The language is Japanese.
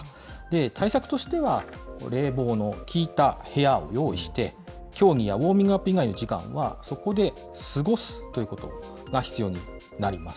対策としては冷房の効いた部屋を用意して、競技やウォーミングアップ以外の時間はそこで過ごすということが必要になります。